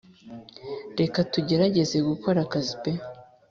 Reka tugerageze gukora akazi peu